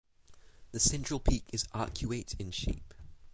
The central peak is arcuate in shape.